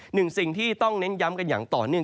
หนึ่งสิ่งที่ต้องเน้นย้ำกันอย่างต่อเนื่อง